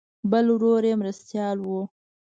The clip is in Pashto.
بل ورور یې مرستیال و.